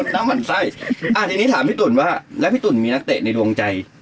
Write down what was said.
หมั่นไส้อ่าทีนี้ถามพี่ตุ๋นว่าแล้วพี่ตุ๋นมีนักเตะในดวงใจ